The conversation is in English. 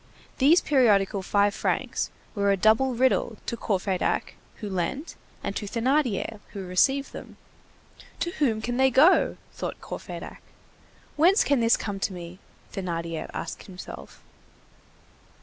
These periodical five francs were a double riddle to Courfeyrac who lent and to Thénardier who received them. "To whom can they go?" thought Courfeyrac. "Whence can this come to me?" Thénardier asked himself.